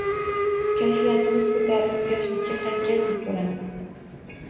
Kayfiyatimiz ko‘tarilib, yoshlikka qaytgandek bo‘lamiz.